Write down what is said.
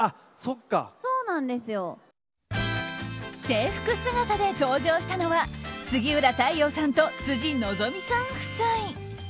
制服姿で登場したのは杉浦太陽さんと辻希美さん夫妻。